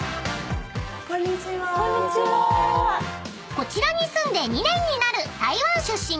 ［こちらに住んで２年になる台湾出身の］